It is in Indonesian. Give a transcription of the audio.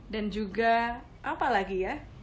dan juga apa lagi ya